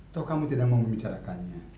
toh kamu tidak mau membicarakannya